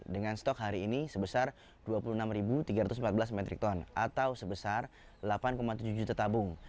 dengan stok hari ini sebesar dua puluh enam tiga ratus empat belas metrik ton atau sebesar delapan tujuh juta tabung